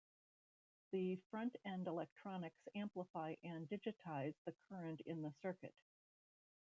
The front-end electronics amplify and digitize the current in the circuit.